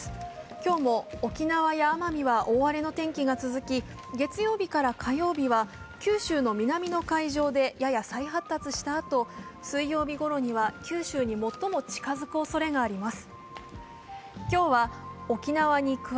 今日も、沖縄や奄美は大荒れの天気が続き、月曜日から火曜日は九州の南の海上でやや再発達したあと、水曜日ごろには九州に最も近付くおそれがあります。